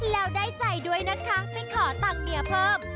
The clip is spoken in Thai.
แล้วได้ใจด้วยนะคะไปขอตังค์เมียเพิ่ม